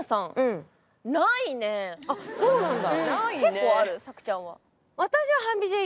あそうなんだ